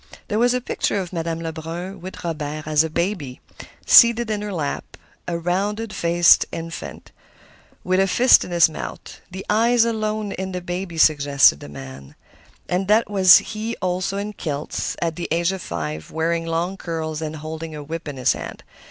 There was a picture of Madame Lebrun with Robert as a baby, seated in her lap, a round faced infant with a fist in his mouth. The eyes alone in the baby suggested the man. And that was he also in kilts, at the age of five, wearing long curls and holding a whip in his hand.